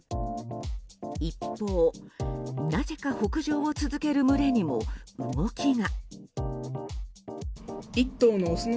一方、なぜか北上を続ける群れにも動きが。